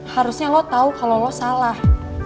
harusnya lo tahu kalau lo salah